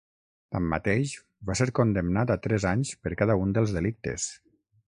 Tanmateix, va ser condemnat a tres anys per cada un dels delictes.